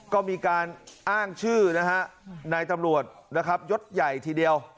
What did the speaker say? ก็มีการอ้างชื่อนะฮะนายตำรวจนะครับยศใหญ่ทีเดียว